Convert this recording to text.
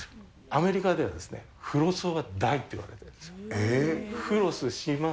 アメリカではですね、フロス・オア・ダイっていわれてるんですよ。